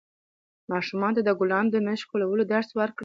ماشومانو ته د ګلانو د نه شکولو درس ورکړئ.